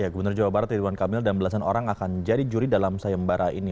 gubernur jawa barat ridwan kamil dan belasan orang akan jadi juri dalam sayembara ini